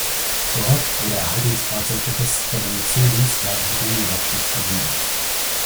Dort, wo der Erhaltungsgrad solche Feststellungen zuließ, waren die Ringe jedoch stets verbunden.